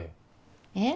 えっ？